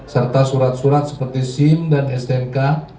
serta surat surat seperti sim dan stnk